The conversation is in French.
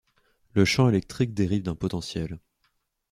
le champ électrique dérive d'un potentiel